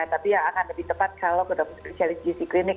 tapi yang akan lebih tepat kalau kita mencari di klinik